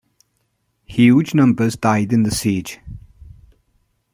Huge numbers died in the siege.